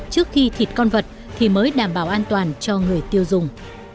trước khi thịt con vật thì mới đảm bảo an toàn cho người tiêu dùng